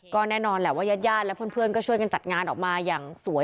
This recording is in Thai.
ก็แน่นอนแหละว่าญาติญาติและเพื่อนก็ช่วยกันจัดงานออกมาอย่างสวย